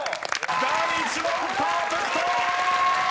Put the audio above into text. ［第１問パーフェクト！］